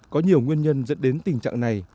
có nhiều nguyên nhân dẫn đến tình trạng này